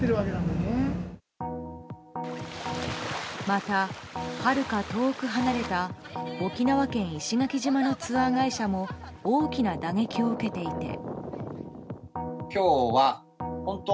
また、はるか遠く離れた沖縄県石垣島のツアー会社も大きな打撃を受けていて。